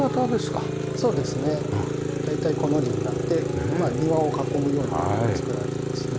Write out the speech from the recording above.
そうですね大体コの字になって庭を囲むように造られてますね。